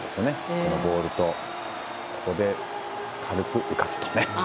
このボールとここで軽く浮かすと。